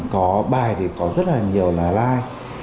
có bài thì có rất là nhiều lá lai